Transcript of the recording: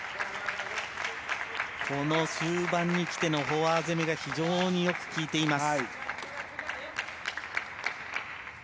この終盤に来てのフォア攻めが非常によく効いています。